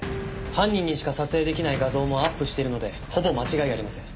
犯人にしか撮影できない画像もアップしているのでほぼ間違いありません。